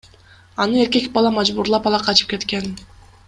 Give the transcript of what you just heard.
Аны эркек бала мажбурлап ала качып кеткен.